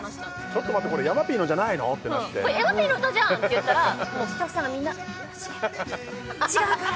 「ちょっと待ってこれ山Ｐのじゃないの？」ってなって「これ山Ｐの歌じゃん！」って言ったらスタッフさんがみんな「いや違う違うから！」